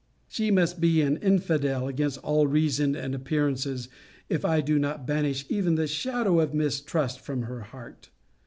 She must be an infidel against all reason and appearances, if I do not banish even the shadow of mistrust from her heart.